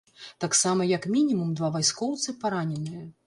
Таксама як мінімум два вайскоўцы параненыя.